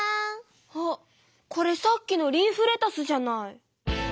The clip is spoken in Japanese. あこれさっきのリーフレタスじゃない！